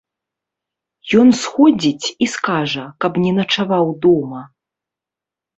Ён сходзіць і скажа, каб не начаваў дома.